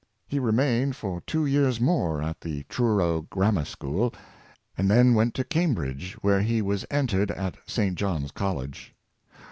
He remained for two years more at the Truro Grammar School, and then went to Cambridge, where he was entered at St. John's College.